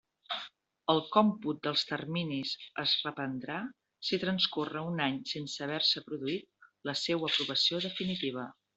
El còmput dels terminis es reprendrà si transcorre un any sense haver-se produït la seua aprovació definitiva.